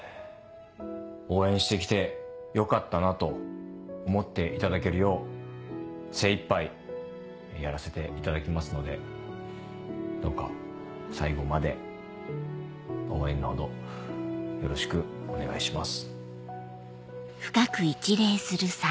応援して来てよかったなと思っていただけるよう精いっぱいやらせていただきますのでどうか最後まで応援のほどよろしくお願いします。